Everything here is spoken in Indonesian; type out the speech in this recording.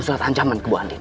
surat ancaman ke bu andin